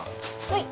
はい。